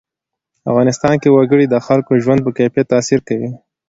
افغانستان کې وګړي د خلکو د ژوند په کیفیت تاثیر کوي.